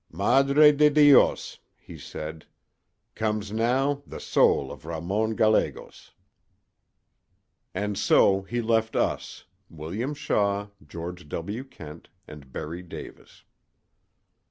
'Madre de Dios,' he said, 'comes now the soul of Ramon Gallegos.' "And so he left us—William Shaw, George W. Kent and Berry Davis.